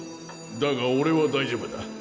だが俺は大丈夫だ。